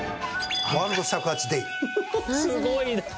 すごいな。